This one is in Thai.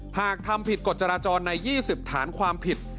หากทำผิดกฎจราจรใน๒๐ฐานความผิด